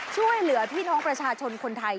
ช่วยเหลือพี่น้องประชาชนคนไทย